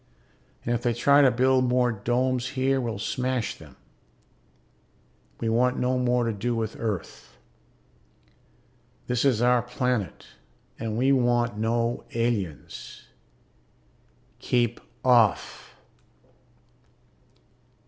And if they try to build more domes here we'll smash them. We want no more to do with Earth. This is our planet and we want no aliens. Keep off!